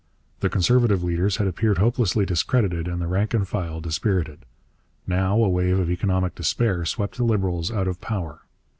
The Conservative leaders had appeared hopelessly discredited, and the rank and file dispirited. Now a wave of economic despair swept the Liberals out of power.